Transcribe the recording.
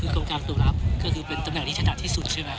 กองกางตกรับคือเป็นตำแนวลิทธิภัทต์ที่สุดใช่ไหม